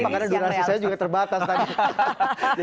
karena durasi saya juga terbatas tadi